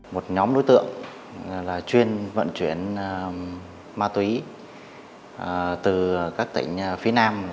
một nhóm đối tượng là chuyên vận chuyển ma túy từ các tỉnh phía nam